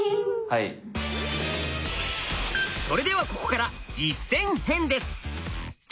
それではここから実践編です。